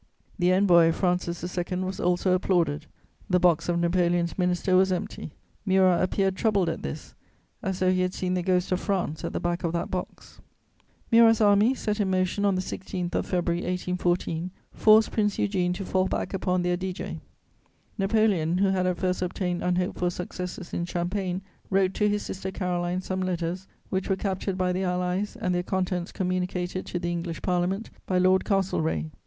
The Envoy of Francis II. was also applauded; the box of Napoleon's Minister was empty; Murat appeared troubled at this, as though he had seen the ghost of France at the back of that box. [Sidenote: Fall of Murat.] Murat's army, set in motion on the 16th of February 1814, forced Prince Eugene to fall back upon the Adige. Napoleon, who had at first obtained unhoped for successes in Champagne, wrote to his sister Caroline some letters which were captured by the Allies and their contents communicated to the English Parliament by Lord Castlereagh.